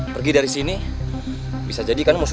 pergi dari sini sampai kita berjalan ke tempat lain